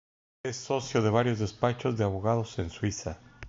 Es socio de varios despachos de abogados en Suiza.